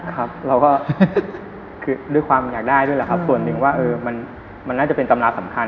ครับเราก็คือด้วยความอยากได้ด้วยแหละครับส่วนหนึ่งว่ามันน่าจะเป็นตำราสำคัญ